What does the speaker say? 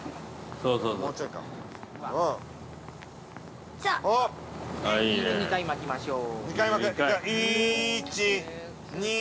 ◆それで２回巻きましょう。